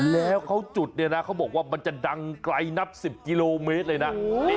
แล้วเขาจุดเนี่ยนะเขาบอกว่ามันจะดังไกลนับ๑๐กิโลเมตรเลยนะ